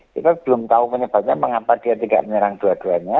kita belum tahu penyebabnya mengapa dia tidak menyerang dua duanya